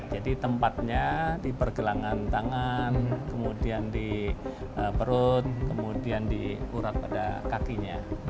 jadi tempatnya di pergelangan tangan kemudian di perut kemudian di urap pada kakinya